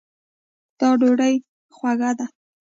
دا ډوډۍ خوږه ده